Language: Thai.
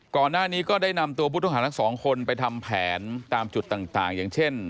ก่อนหน้านี้ก็ได้นำตัวผู้ต้องหาทั้งสองคนไปทำแผนตามจุดต่างอย่างเช่น